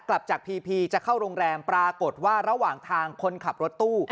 กลับจากพีพีจะเข้าโรงแรมปรากฏว่าระหว่างทางคนขับรถตู้